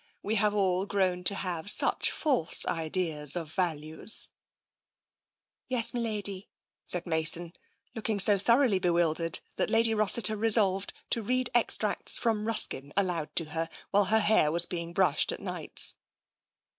We have all grown to have such false ideas of values ../'" Yes, m'lady,'' said Mason, looking so thoroughly bewildered that Lady Rossiter resolved to read extracts from Ruskin aloud to her while her hair was being brushed at nights.